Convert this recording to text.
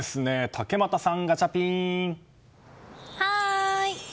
竹俣さん、ガチャピン！